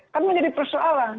kan menjadi persoalan